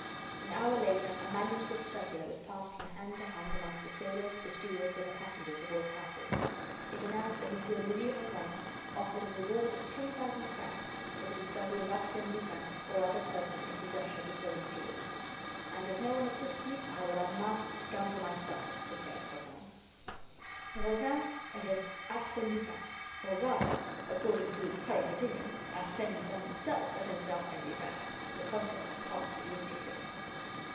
An hour later, a manuscript circular was passed from hand to hand amongst the sailors, the stewards, and the passengers of all classes. It announced that Mon. Louis Rozaine offered a reward of ten thousand francs for the discovery of Arsène Lupin or other person in possession of the stolen jewels. "And if no one assists me, I will unmask the scoundrel myself," declared Rozaine. Rozaine against Arsène Lupin, or rather, according to current opinion, Arsène Lupin himself against Arsène Lupin; the contest promised to be interesting.